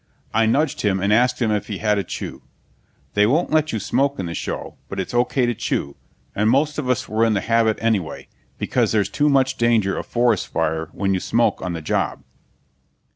I nudged him and asked him if he had a chew. They won't let you smoke in the show, but it's okay to chew, and most of us were in the habit anyway, because there's too much danger of forest fire when you smoke on the job.